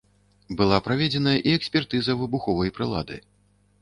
Была праведзеная і экспертыза выбуховай прылады.